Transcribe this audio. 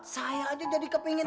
saya aja jadi kepinginan